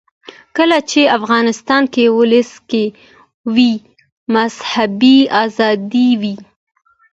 کله چې افغانستان کې ولسواکي وي مذهبي آزادي وي.